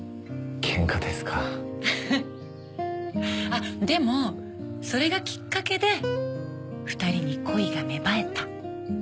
あっでもそれがきっかけで２人に恋が芽生えた。